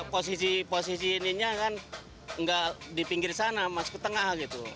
posisi posisi ini tidak di pinggir sana masuk ke tengah